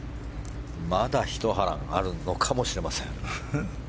まだ、ひと波乱あるのかもしれません。